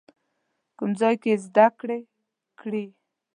کوم ځای کې یې زده کړې کړي؟